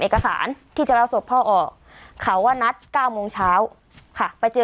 เอกสารที่จะรับศพพ่อออกเขาว่านัดเก้าโมงเช้าค่ะไปเจอ